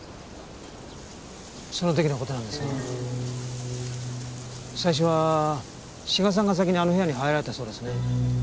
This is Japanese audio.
その時の事なんですが最初は志賀さんが先にあの部屋に入られたそうですね。